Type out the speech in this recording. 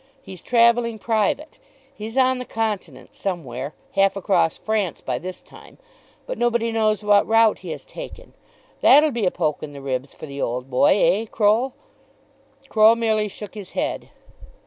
He's travelling private. He's on the continent somewhere, half across France by this time; but nobody knows what route he has taken. That'll be a poke in the ribs for the old boy; eh, Croll?" Croll merely shook his head.